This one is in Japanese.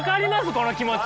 この気持ち。